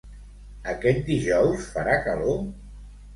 Aquest dijous farà calor?